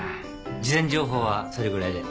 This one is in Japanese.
事前情報はそれぐらいで。